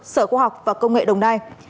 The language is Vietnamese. sở khoa học và công nghệ đồng nai